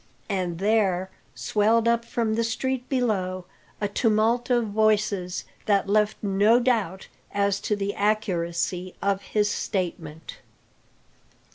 And there swelled up from the street below a tumult of voices that left no doubt as to the accuracy of his statement.